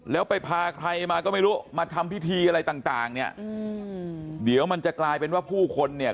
แล้วไปพาใครมาก็ไม่รู้มาทำพิธีอะไรต่างต่างเนี่ยเดี๋ยวมันจะกลายเป็นว่าผู้คนเนี่ย